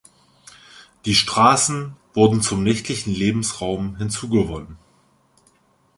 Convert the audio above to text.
Die Straßen wurden zum nächtlichen Lebensraum hinzugewonnen.